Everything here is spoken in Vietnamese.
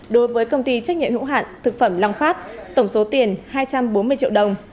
đối với công ty trách nhiệm hữu hạn thực phẩm long phát tổng số tiền hai trăm bốn mươi triệu đồng